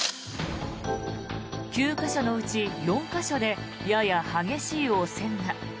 ９か所のうち４か所でやや激しい汚染が。